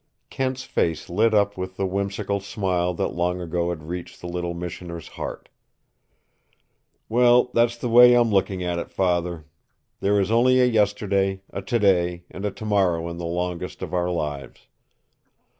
Kent's face lit up with the whimsical smile that long ago had reached the little missioner's heart. "Well, that's the way I'm looking at it, Father. There is only a yesterday, a today, and a tomorrow in the longest of our lives.